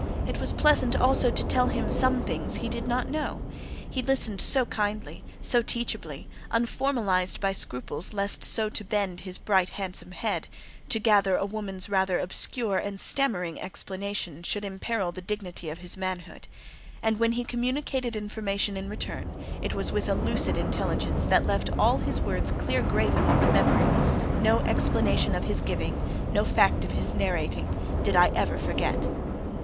It was pleasant also to tell him some things he did not know—he listened so kindly, so teachably; unformalized by scruples lest so to bend his bright handsome head, to gather a woman's rather obscure and stammering explanation, should imperil the dignity of his manhood. And when he communicated information in return, it was with a lucid intelligence that left all his words clear graven on the memory; no explanation of his giving, no fact of his narrating, did I ever forget.